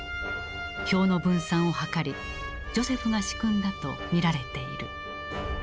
票の分散を図りジョセフが仕組んだとみられている。